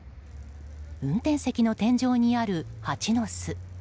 運転席の天井にあるハチの巣。